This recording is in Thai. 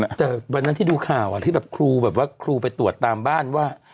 แต่วันนั้นที่ดูข่าวที่ครูไปตรวจตามบ้านว่า